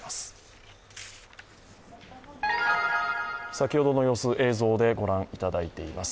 先ほどの様子、映像でご覧いただいています。